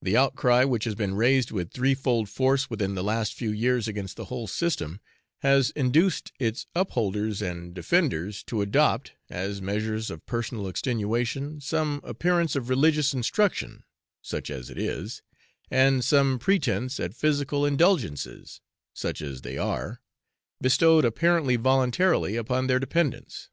The outcry which has been raised with threefold force within the last few years against the whole system, has induced its upholders and defenders to adopt, as measures of personal extenuation, some appearance of religious instruction (such as it is), and some pretence at physical indulgences (such as they are), bestowed apparently voluntarily upon their dependants.